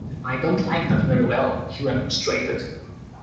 "I don't like that very well," he remonstrated.